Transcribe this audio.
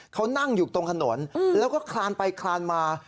เขานั่งอยู่ตรงถนนแล้วก็คลานไปคลานมา